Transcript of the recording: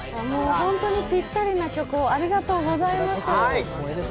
本当にぴったりな曲をありがとうございます。